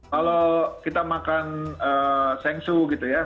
kalau kita makan sengsu gitu ya